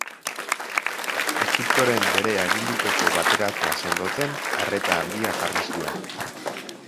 Egiptoren bere agindupeko bateratzea sendotzen arreta handia jarri zuen.